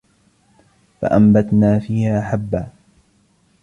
فَأَنْبَتْنَا فِيهَا حَبًّا